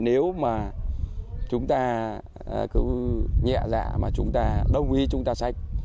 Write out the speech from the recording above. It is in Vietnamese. nếu mà chúng ta cứ nhẹ dạ mà chúng ta đồng ý chúng ta sách